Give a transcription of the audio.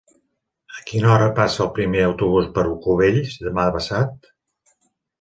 A quina hora passa el primer autobús per Cubells demà passat?